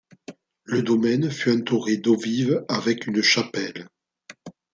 Le domaine fut entouré d'eaux vives avec une chapelle.